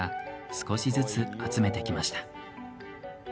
少しずつ集めてきました。